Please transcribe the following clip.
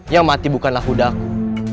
yang mati bukanlah kuda aku